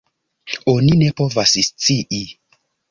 Oni ne povas scii.